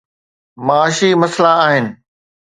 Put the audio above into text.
معاشي مسئلا آهن.